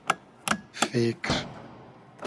فیکر